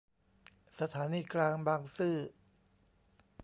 สถานีกลางบางซื่อ